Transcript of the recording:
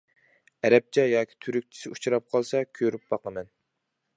ئەرەبچە ياكى تۈركچىسى ئۇچراپ قالسا كۆرۈپ باقىمەن.